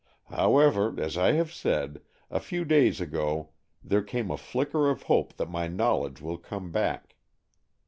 How ever, as I have said, a few days ago there came a flicker of hope that my knowledge will come back.